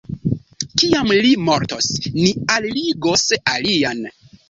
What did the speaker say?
Kiam li mortos, ni alligos alian!